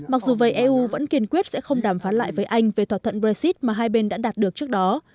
mặc dù vậy eu vẫn kiên quyết sẽ không đàm phán lại với anh về thỏa thuận brexit mà hai bên đã đạt được trước đó